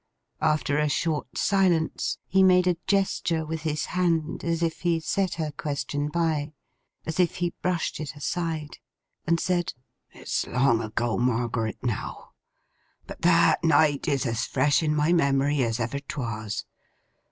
After a short silence, he made a gesture with his hand, as if he set her question by; as if he brushed it aside; and said: 'It's long ago, Margaret, now: but that night is as fresh in my memory as ever 'twas.